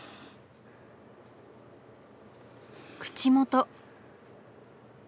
口元。